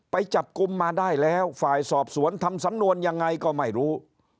ไปจับกลุ่มมาได้แล้วฝ่ายสอบสวนทำสำนวนยังไงก็ไม่รู้